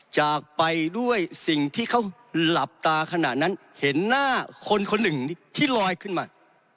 จากไปด้วยสิ่งที่เขาหลับตาขณะนั้นเห็นหน้าคนคนหนึ่งที่ลอยขึ้นมา